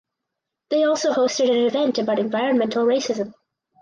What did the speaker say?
They also hosted an event about environmental racism.